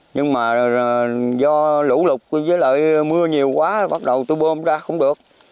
nhưng mà do lũ lụt với lại mưa nhiều quá bắt đầu tôi bơm ra không được